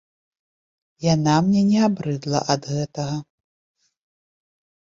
Яна мне не абрыдла ад гэтага.